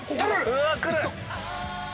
うわくる！